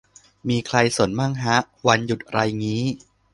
มีใครสนมั่งฮะ วันหยุดไรงี้